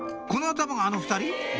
この頭があの２人？